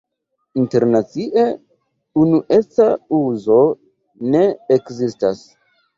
Internacie unueca uzo ne ekzistas.